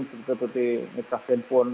seperti misah handphone